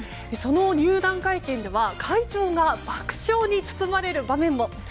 その入団会見では会場が爆笑に包まれる場面も。